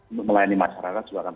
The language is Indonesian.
untuk melayani masyarakat